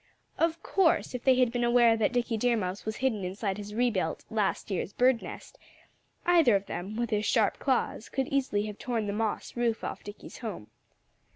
Of course, if they had been aware that Dickie Deer Mouse was hidden inside his rebuilt, last year's bird's nest, either of them, with his sharp claws, could easily have torn the moss roof off Dickie's home.